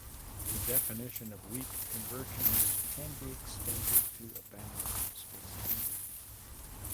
The definition of weak convergence can be extended to Banach spaces.